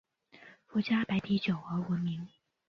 福佳白啤酒而闻名。